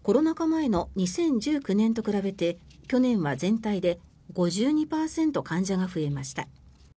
前の２０１９年と比べて去年は全体で５２％患者が増えました。